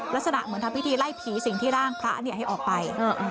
ลักษณะเหมือนทำพิธีไล่ผีสิ่งที่ร่างพระให้ออกไป